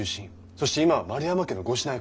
そして今は丸山家のご指南役。